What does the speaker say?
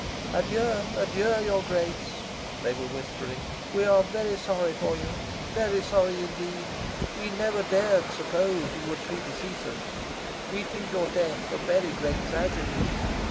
"Adieu, adieu, your Grace," they were whispering. "We are very sorry for you very sorry indeed. We never dared suppose you would predecease us. We think your death a very great tragedy.